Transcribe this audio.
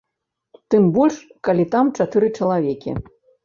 Тым больш, калі там чатыры чалавекі.